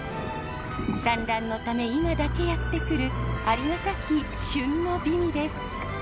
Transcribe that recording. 産卵のため今だけやってくるありがたき旬の美味です。